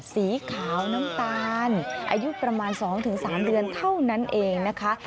สีขาวน้ำตาลอายุประมาณ๒๓เดือนเท่านั้นเองนะคะ